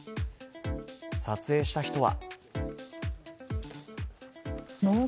撮影した人は。